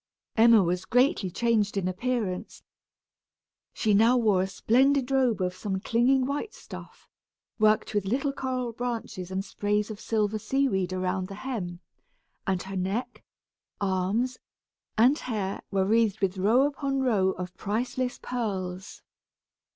Emma was greatly changed in appearance. She now wore a splendid robe of some clinging white stuff, worked with little coral branches and sprays of silver seaweed around the hem, and her neck, arms, and hair were wreathed with row upon row of priceless pearls.